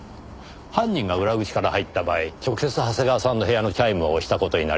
犯人が裏口から入った場合直接長谷川さんの部屋のチャイムを押した事になりますねぇ。